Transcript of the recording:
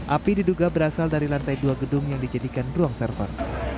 api diduga berasal dari lantai dua gedung yang dijadikan ruang server